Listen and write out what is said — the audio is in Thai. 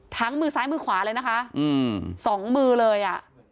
มือซ้ายมือขวาเลยนะคะสองมือเลยอ่ะ